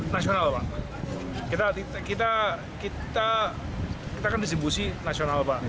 nasional pak kita kan distribusi nasional pak